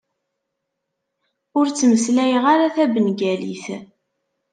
Ur ttmeslayeɣ ara tabengalit.